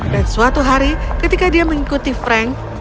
dan suatu hari ketika dia mengikuti frank